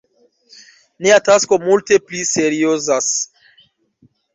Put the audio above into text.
Nia tasko multe pli seriozas!